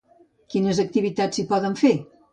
Quines activitats s'hi poden fer?